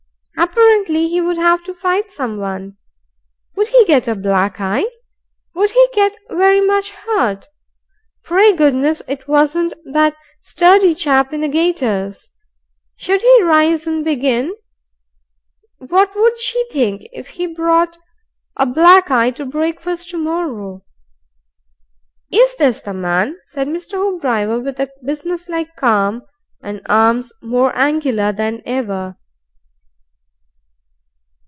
Apparently, he would have to fight someone. Would he get a black eye? Would he get very much hurt? Pray goodness it wasn't that sturdy chap in the gaiters! Should he rise and begin? What would she think if he brought a black eye to breakfast to morrow? "Is this the man?" said Mr. Hoopdriver, with a business like calm, and arms more angular than ever.